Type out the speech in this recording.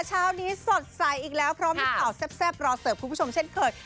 เช้านี้สดใสอีกแล้วเพราะมีข่าวแซ่บรอเสิร์ฟคุณผู้ชมเช่นเคย